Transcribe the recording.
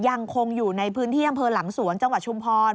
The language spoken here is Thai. ยังคงอยู่ในพื้นที่อำเภอหลังสวนจังหวัดชุมพร